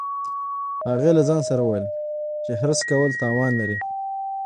هغې له ځان سره وویل چې حرص کول تاوان لري